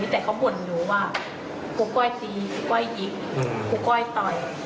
แต่เขาบ่นหนูว่าครูก้อยตีครูก้อยยิงครูก้อยต่อย